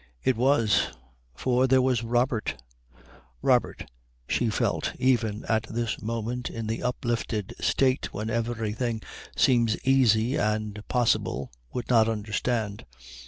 It was. For there was Robert. Robert, she felt even at this moment in the uplifted state when everything seems easy and possible, would not understand.